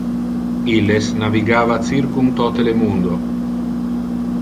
Illes navigava circum tote le mundo.